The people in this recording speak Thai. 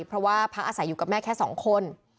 เพราะว่าพักอาศัยอยู่กับแม่แค่๒คน